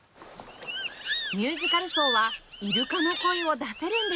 ミュージカルソーはイルカの声を出せるんでしょうか？